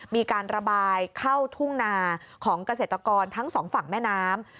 มีการระบายเข้าทุ่งนาของเกษตรกรทั้งสองฝั่งแม่น้ำ